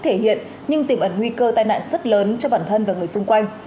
thích thể hiện nhưng tìm ẩn nguy cơ tai nạn rất lớn cho bản thân và người xung quanh